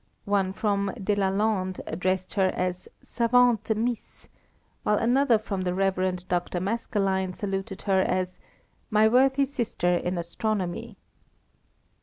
One from De la Lande addressed her as "Savante Miss," while another from the Rev. Dr. Maskelyne saluted her as "My worthy sister in astronomy."